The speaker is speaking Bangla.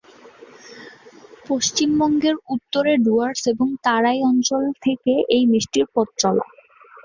পশ্চিমবঙ্গের উত্তরে ডুয়ার্স এবং তরাই অঞ্চল থেকে এই মিষ্টির পথ চলা।